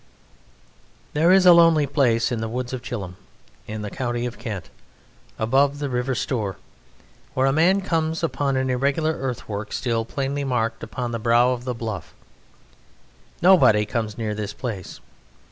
There is a lonely place in the woods of Chilham, in the County of Kent, above the River Stour, where a man comes upon an irregular earthwork still plainly marked upon the brow of the bluff. Nobody comes near this place.